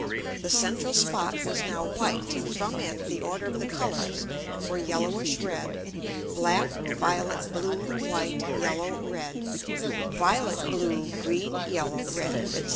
The central Spot was now white, and from it the order of the Colours were yellowish red; black, violet, blue, white, yellow, red; violet, blue, green, yellow, red, &c.